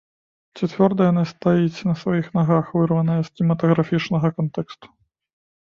Ці цвёрда яна стаіць на сваіх нагах, вырваная з кінематаграфічнага кантэксту?